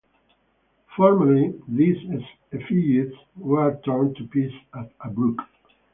Formerly, these effigies were torn to pieces at a brook.